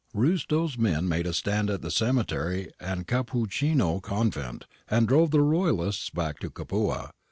Riistow's men made a stand at the cemetery and Cappuccini Convent and drove the Royalists back to Capua.